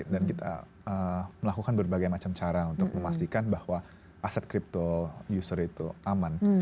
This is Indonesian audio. dan kita melakukan berbagai macam cara untuk memastikan bahwa aset kripto user itu aman